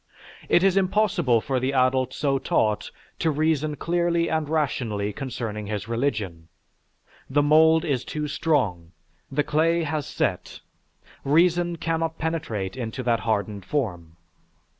It is impossible for the adult so taught to reason clearly and rationally concerning his religion; the mould is too strong, the clay has set, reason cannot penetrate into that hardened form.